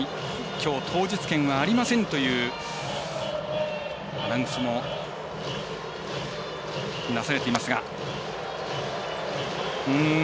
きょう当日券はありませんというアナウンスもなされています。